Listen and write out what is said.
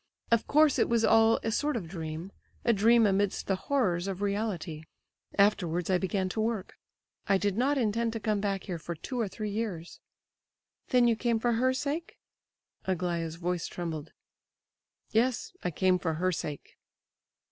Of course it was all a sort of dream, a dream amidst the horrors of reality. Afterwards I began to work. I did not intend to come back here for two or three years—" "Then you came for her sake?" Aglaya's voice trembled. "Yes, I came for her sake."